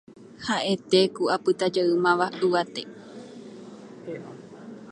ha'ete ku apytajeýmava yvate